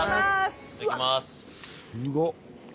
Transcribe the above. すごっ！